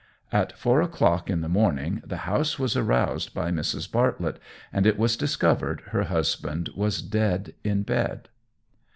At four o'clock in the morning the house was aroused by Mrs. Bartlett, and it was discovered her husband was dead in bed.